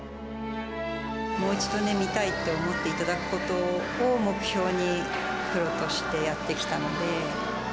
もう一度ね、見たいと思っていただくことを目標に、プロとしてやってきたので。